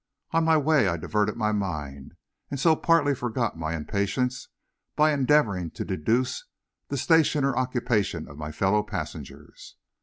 On my way I diverted my mind, and so partly forgot my impatience, by endeavoring to "deduce" the station or occupation of my fellow passengers.